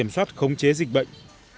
sắp khống chế dịch bệnh